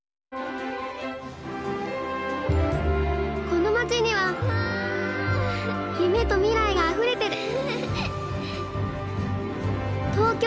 この街には夢と未来があふれてる。